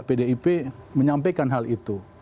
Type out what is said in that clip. pdip menyampaikan hal itu